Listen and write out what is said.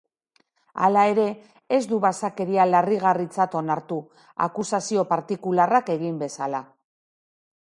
Hala ere, ez du basakeria larrigarritzat onartu, akusazio partikularrak egin bezala.